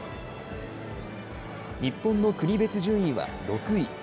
日本の国別順位は６位。